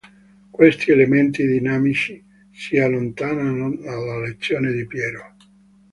Questi elementi dinamici si allontanano dalla lezione di Piero.